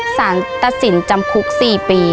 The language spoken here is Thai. สารตัดสินจำคุก๔ปี